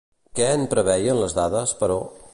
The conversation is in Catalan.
Què en preveien les dades, però?